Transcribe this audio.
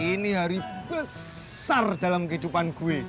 ini hari besar dalam kehidupan gue